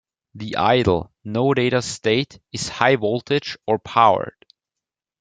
The idle, no data state is high-voltage, or powered.